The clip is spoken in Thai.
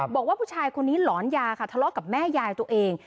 บอกว่าผู้ชายคนนี้หลอนยาค่ะทะเลาะกับแม่ยายตัวเอง